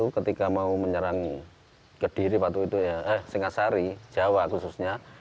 ketika mau menyerang kediri singosari jawa khususnya